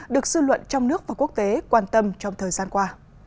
được dư luận trong nước và quốc tế quan tâm trong thời gian qua